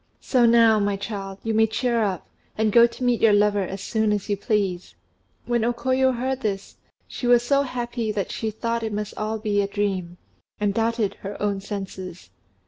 So now, my child, you may cheer up, and go to meet your lover as soon as you please." When O Koyo heard this, she was so happy that she thought it must all be a dream, and doubted her own senses.